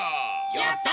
やった！